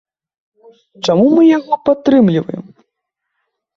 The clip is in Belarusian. Чаму мы яго падтрымліваем?